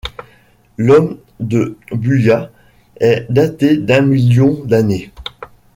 L'Homme de Buya est daté d'un million d'années.